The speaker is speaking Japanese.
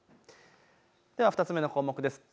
では２つ目の項目です。